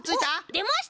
でました！